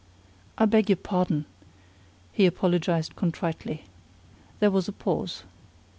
"I beg your pardon," he apologized contritely. There was a pause.